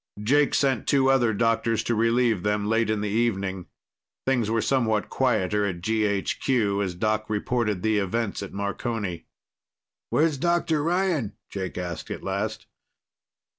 Jake sent two other doctors to relieve them late in the evening. Things were somewhat quieter at GHQ as Doc reported the events at Marconi. "Where's Dr. Ryan?" Jake asked at last.